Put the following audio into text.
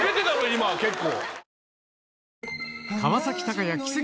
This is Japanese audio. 今結構。